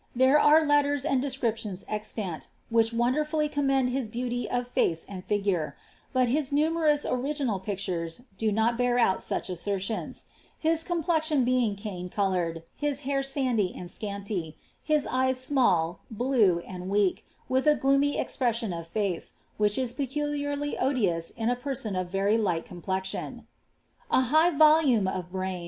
There are letters and descriptions eiiant, which wonderAilly commend his beauty of face and figure; but hin nnmermM imginal pictures do not bear out such assertions — his complexion Iwiiw cane coloured, his hair sandy and scanty — his eyes small, bluci onit weak, with 9 gloomy expression of face, which is peculiarly odious ia ■ penon of very light complexion. A mighty volume of brarn.